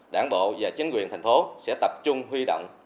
đảng bộ và chính quyền thành phố sẽ tập trung huy động